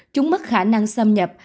chúng mất khả năng xâm nhập